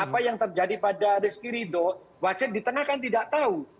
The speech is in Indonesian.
apa yang terjadi pada rizky ridho wasit di tengah kan tidak tahu